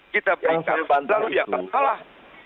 kita berikan selalu diangkat salah